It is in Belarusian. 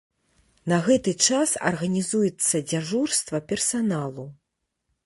На гэты час арганізуецца дзяжурства персаналу.